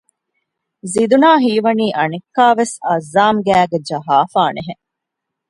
ޒިދުނާ ހީވަނީ އަނެއްކާވެސް އައްޒާމް ގައިގައި ޖަހައިފާނެހެން